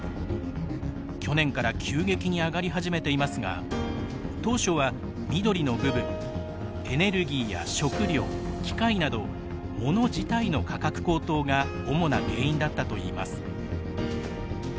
去年から急激に上がり始めていますが当初は緑の部分＝エネルギーや食料、機械などモノ自体の価格高騰が主な原因だったといいます。